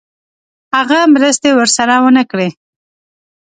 هغه مرستې ورسره ونه کړې.